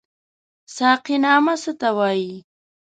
ساقينامه څه ته وايي؟